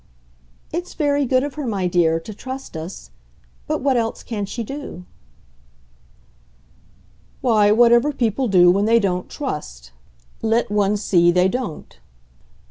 "It's very good of her, my dear, to trust us. But what else can she do?" "Why, whatever people do when they don't trust. Let one see they don't."